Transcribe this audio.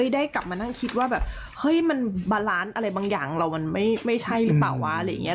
ได้กลับมานั่งคิดว่าแบบเฮ้ยมันบาลานซ์อะไรบางอย่างเรามันไม่ใช่หรือเปล่า